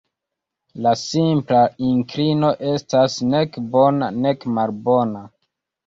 La simpla inklino estas nek bona nek malbona.